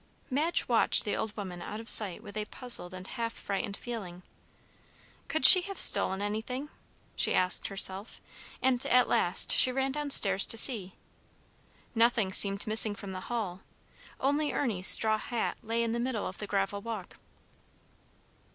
Madge watched the old woman out of sight with a puzzled and half frightened feeling. "Could she have stolen anything?" she asked herself; and at last she ran downstairs to see. Nothing seemed missing from the hall, only Ernie's straw hat lay in the middle of the gravel walk.